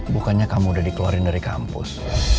bukannya kamu udah dikeluarin dari kampus